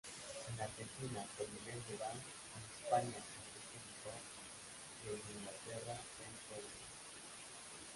En Argentina por Miguel Bebán, en España Enrique Guitart y en Inglaterra Sean Connery.